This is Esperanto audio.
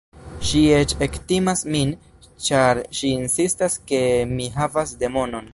Ŝi eĉ ektimas min, ĉar ŝi insistas ke mi havas demonon.